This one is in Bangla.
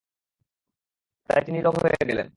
তাই তিনি নীরব হয়ে গেলেন।